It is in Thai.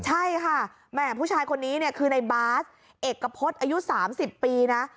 ใช่ค่ะแหม่ผู้ชายคนนี้เนี่ยคือในบาสเอกพฤษอายุ๓๐ปีนะ